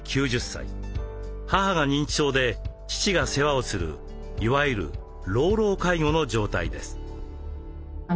母が認知症で父が世話をするいわゆる「老老介護」の状態です。